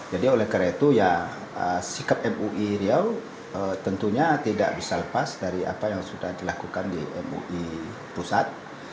jadi oleh karena itu ya sikap mui riau tentunya tidak bisa lepas dari apa yang sudah dilakukan di mui pusat